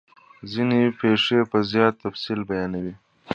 ځیني پیښې په زیات تفصیل بیانوي.